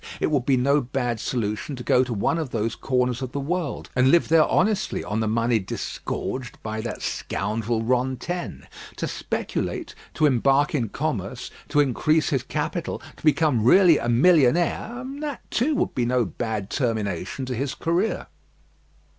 It would be no bad solution to go to one of those corners of the world, and live there honestly on the money disgorged by that scoundrel Rantaine. To speculate, to embark in commerce, to increase his capital, to become really a millionaire, that, too, would be no bad termination to his career.